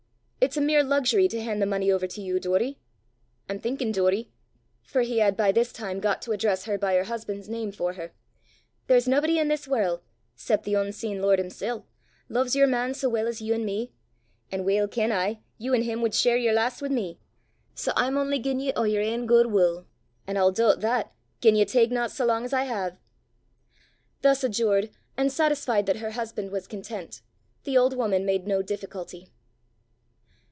It's a mere luxury to hand the money over to you, Doory! I'm thinkin', Doory," for he had by this time got to address her by her husband's name for her, "there's naebody i' this warl', 'cep' the oonseen Lord himsel', lo'es yer man sae weel as you an' me; an' weel ken I, you an' him wad share yer last wi' me; sae I'm only giein' ye o' yer ain guid wull; an' I'll doobt that gien ye takna sae lang as I hae." Thus adjured, and satisfied that her husband was content, the old woman made no difficulty.